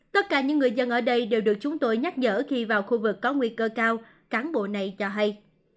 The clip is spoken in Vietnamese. tất cả những người dân ở đây đều được chúng tôi nhắc nhở khi vào khu vực có nguy cơ cao cán bộ này cho hay